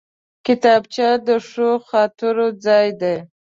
کتابچه د ښو خاطرو ځای دی